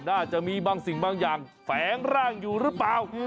น่าจะมีบางสิ่งบางอย่างแฝงร่างอยู่หรือเปล่า